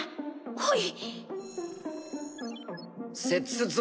はい。